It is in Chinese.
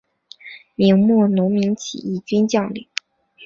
明末农民起义军将领。